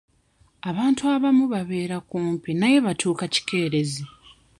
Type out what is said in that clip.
Abantu abamu babeera kumpi naye batuuka kikeerezi.